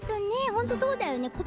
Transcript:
本当にそうだよね